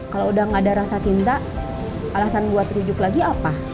kalau udah gak ada rasa cinta alasan buat rujuk lagi apa